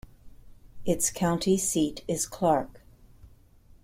Its county seat is Clark.